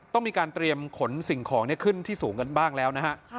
ต้องมีการเตรียมขนสิ่งของขึ้นที่สูงกันบ้างแล้วนะฮะ